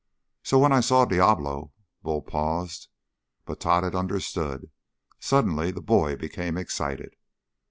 "So when I saw Diablo " Bull paused. But Tod had understood. Suddenly the boy became excited.